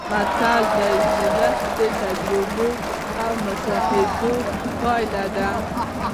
متل د ولس د تجربو او مشاهداتو پایله ده